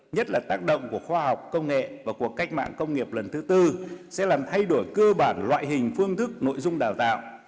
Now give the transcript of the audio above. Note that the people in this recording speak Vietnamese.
nhất là tác động của khoa học công nghệ và cuộc cách mạng công nghiệp lần thứ tư sẽ làm thay đổi cơ bản loại hình phương thức nội dung đào tạo